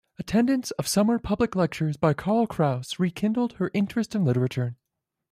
Attendance of summer public lectures by Karl Kraus rekindled her interest in literature.